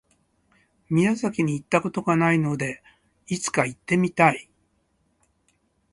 宮崎に行った事がないので、いつか行ってみたい。